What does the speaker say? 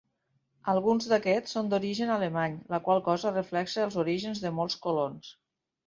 Alguns d'aquests són d'origen alemany, la qual cosa reflexa els orígens de molts colons.